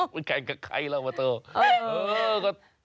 ไม่แข่งกับใครแล้วมาโต